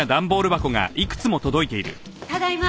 ただいま！